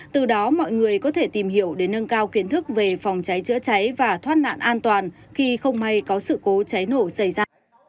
từ đó mọi người có thể tìm hiểu để nâng cao kiến thức về phòng cháy chữa cháy và thoát nạn an toàn khi không may có sự cố cháy nổ xảy ra